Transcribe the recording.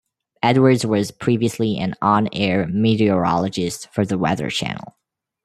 Edwards was previously an on-air meteorologist for the Weather Channel.